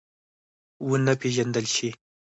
ونه پېژندل شي.